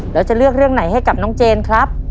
แล้วจะเลือกเรื่องไหนให้กับน้องเจนครับ